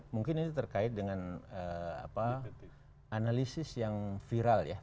mungkin ini terkait dengan analisis yang viral ya